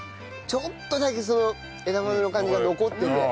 ちょっとだけその枝豆の感じが残ってて。